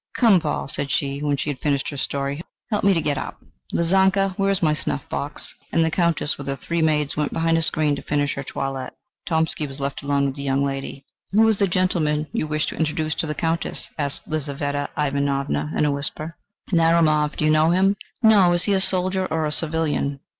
"Come, Paul," said she, when she had finished her story, "help me to get up. Lizanka, where is my snuff box?" And the Countess with her three maids went behind a screen to finish her toilette. Tomsky was left alone with the young lady. "Who is the gentleman you wish to introduce to the Countess?" asked Lizaveta Ivanovna in a whisper. "Narumov. Do you know him?" "No. Is he a soldier or a civilian?"